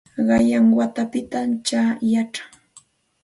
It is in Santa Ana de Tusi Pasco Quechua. Qanyan watapitam kaćhaw yachaa.